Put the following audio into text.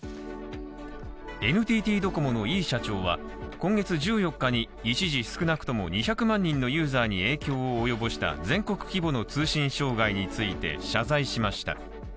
今月１４日に一時少なくとも２００万人のユーザーに影響を及ぼした全国規模の通信障害について謝罪しました。